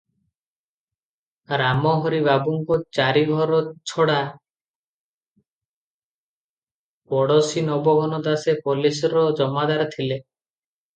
ରାମହରି ବାବୁଙ୍କ ଚାରି ଘର ଛଡ଼ା ପଡ଼ୋଶୀ ନବଘନ ଦାସେ ପୋଲିସର ଜମାଦାର ଥିଲେ ।